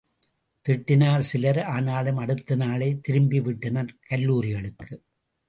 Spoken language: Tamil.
திட்டினர் சிலர் ஆனாலும் அடுத்த நாளே திரும்பிவிட்டனர் கல்லூரிகளுக்கு.